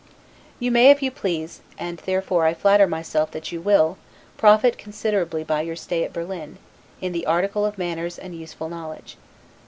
You may if you please, and therefore I flatter myself that you will, profit considerably by your stay at Berlin, in the article of manners and useful knowledge.